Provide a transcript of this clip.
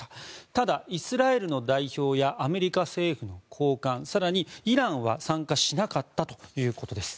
ただ、イスラエルの代表やアメリカ政府高官、更にイランは参加しなかったということです。